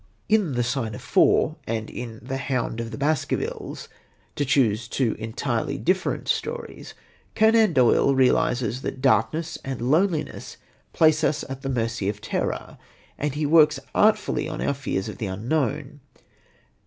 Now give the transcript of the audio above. In The Sign of Four and in The Hound of the Baskervilles, to choose two entirely different stories, Conan Doyle realises that darkness and loneliness place us at the mercy of terror, and he works artfully on our fears of the unknown.